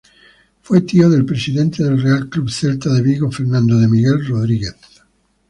Fue tío del presidente del Real Club Celta de Vigo, Fernando de Miguel Rodríguez.